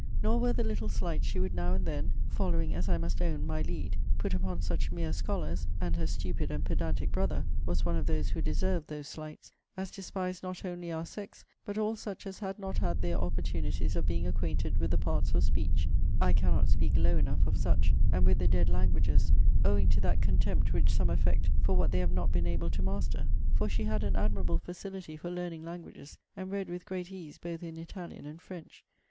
Nor were the little slights she would now and then (following, as I must own, my lead) put upon such mere scholars [and her stupid and pedantic brother was one of those who deserved those slights] as despised not only our sex, but all such as had not had their opportunities of being acquainted with the parts of speech, [I cannot speak low enough of such,] and with the dead languages, owing to that contempt which some affect for what they have not been able to master; for she had an admirable facility for learning languages, and read with great ease both in Italian and French.